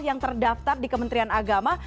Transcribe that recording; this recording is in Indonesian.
yang terdaftar di kementerian agama